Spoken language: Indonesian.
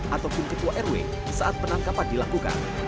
ataupun ketua rw saat penangkapan dilakukan